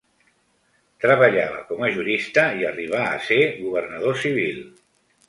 Treballava com a jurista i arribà a ser governador civil.